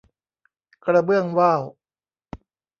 กระเบื้องว่าว